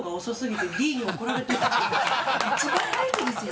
一番偉い人ですよ？